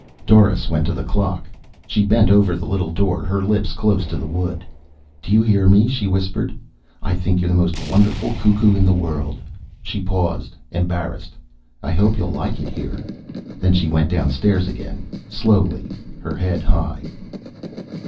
Doris went to the clock. She bent over the little door, her lips close to the wood. "Do you hear me?" she whispered. "I think you're the most wonderful cuckoo in the world." She paused, embarrassed. "I hope you'll like it here." Then she went downstairs again, slowly, her head high.